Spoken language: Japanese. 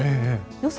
予想